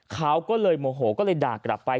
เขาก็เลยโมโหก็เลยด่ากลับไป